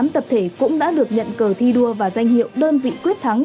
một mươi tập thể cũng đã được nhận cờ thi đua và danh hiệu đơn vị quyết thắng